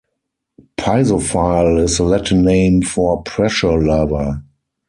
Piezophile is the latin name for pressure-lover.